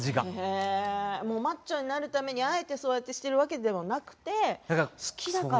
マッチョになるためにあえてそうしてるわけではなくて好きだから？